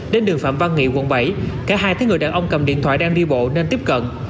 đến đường phạm văn nghị quận bảy cả hai thấy người đàn ông cầm điện thoại đang đi bộ nên tiếp cận